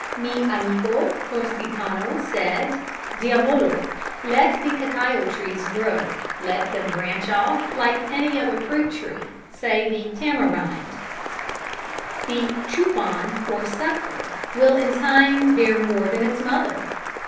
"Mi Amigo Corsicano said: 'Diavolo, let the cacao trees grow, let them branch off like any other fruit tree, say the tamarind, the 'chupon' or sucker will in time bear more than its mother.'"